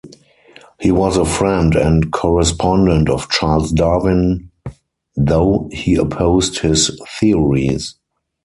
He was a friend and correspondent of Charles Darwin though he opposed his theories.